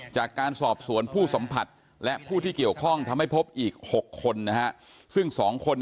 จากการสอบสวนผู้สัมผัสและผู้ที่เกี่ยวข้องทำให้พบอีก๖คนซึ่ง๒คน